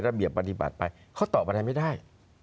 ระเบียบปฏิบัติไปเขาตอบอะไรไม่ได้